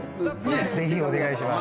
ぜひお願いします。